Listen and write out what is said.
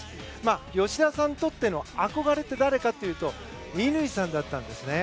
吉田さんにとっての憧れって誰かというと乾さんだったんですね。